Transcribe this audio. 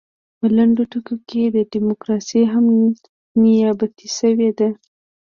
په لنډو ټکو کې ډیموکراسي هم نیابتي شوې ده.